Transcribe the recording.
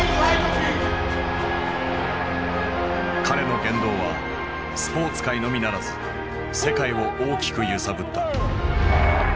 彼の言動はスポーツ界のみならず世界を大きく揺さぶった。